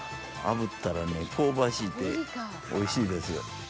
炙ったらね香ばしいておいしいですよ。